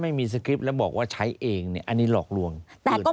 ไม่ได้เจตนาที่จะไปหลอกลวงเขา